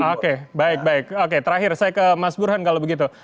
oke baik baik oke terakhir saya ke mas burhan kalau begitu